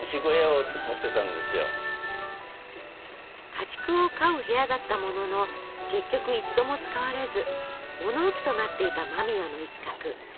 家畜を飼う部屋だったものの結局一度も使われず物置となっていた間宮の一角。